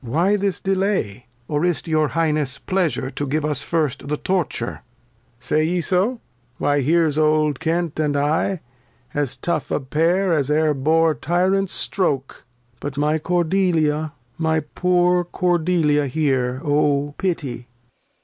Why this Delay. Or is't your Highness's Pleasure To give us first the Torture ? Say ye so ? Why here's old Kent and I, as tough a Pair As e'er bore Tyrants Stroke. But my Cordelia, My poor Cordelia here, O pity.